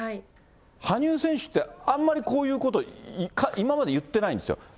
羽生選手って、あんまりこういうこと今まで言ってないんですよ。